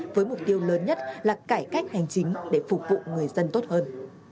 với mục tiêu lớn nhất là cải cách hành chính để phục vụ người dân tốt hơn